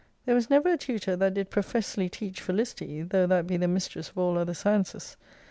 There was never a tutor that did professly teach Felicity, though that be the mistress of all other sciences.